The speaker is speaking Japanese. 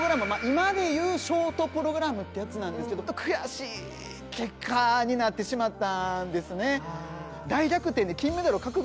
今で言うショートプログラムってやつなんですけど悔しい結果になってしまったんですね。